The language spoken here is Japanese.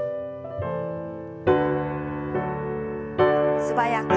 素早く。